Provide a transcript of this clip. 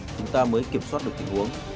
chúng ta mới kiểm soát được tình huống